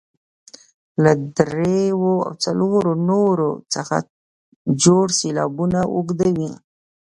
له دریو او څلورو تورو څخه جوړ سېلابونه اوږده وي.